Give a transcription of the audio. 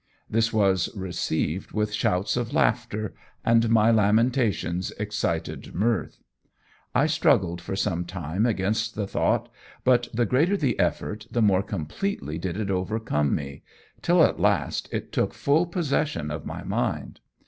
This was received with shouts of laughter, and my lamentations excited mirth. I struggled for some time against the thought, but the greater the effort the more completely did it overcome me, till at last it took full possession of my mind.